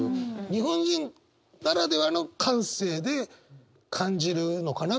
日本人ならではの感性で感じるのかな